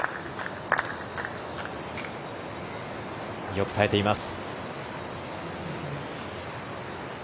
よく耐えています。